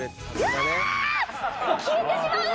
消えてしまう！